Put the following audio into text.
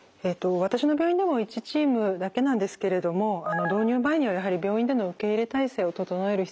私の病院でも１チームだけなんですけれども導入前にはやはり病院での受け入れ体制を整える必要があります。